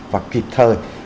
và kịp thời